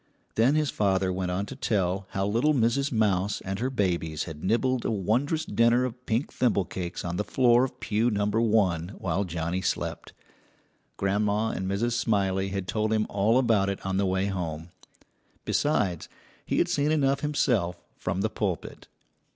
Then his father went on to tell how little Mrs. Mouse and her babies had nibbled a wondrous dinner of pink thimble cakes on the floor of pew number one while Johnnie slept. Grandma and Mrs. Smiley had told him all about it on the way home; besides, he had seen enough himself from the pulpit.